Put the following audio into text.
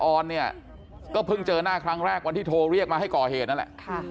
ออนเนี่ยก็เพิ่งเจอหน้าครั้งแรกวันที่โทรเรียกมาให้ก่อเหตุนั่นแหละ